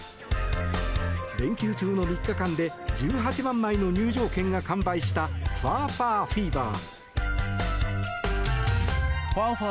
連休中の３日間で１８万枚の入場券が完売したファーファーフィーバー。